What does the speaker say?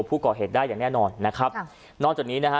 ผู้ก่อเหตุได้อย่างแน่นอนนะครับค่ะนอกจากนี้นะฮะ